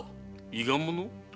伊賀者？